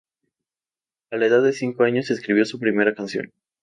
A la edad de cinco años escribió su primera canción.